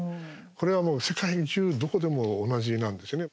これはもう世界中どこでも同じなんですね。